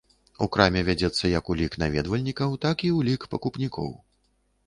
У краме вядзецца як ўлік наведвальнікаў, так і ўлік пакупнікоў.